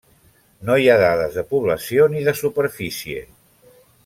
No hi ha dades de població ni de superfície.